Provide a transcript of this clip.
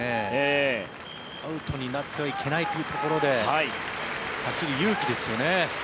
アウトになってはいけないというところで走る勇気ですよね。